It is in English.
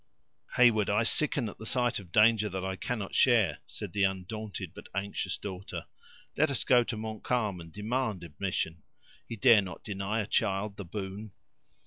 "Heyward, I sicken at the sight of danger that I cannot share," said the undaunted but anxious daughter. "Let us go to Montcalm, and demand admission: he dare not deny a child the boon."